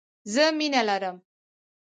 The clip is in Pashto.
زه مینه لرم.